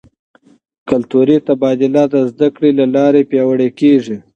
کلتوري تبادله د زده کړې له لارې پیاوړې کیږي.